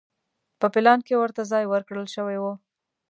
په پلان کې ورته ځای ورکړل شوی و.